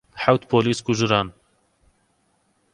حەوت پۆلیس کوژران.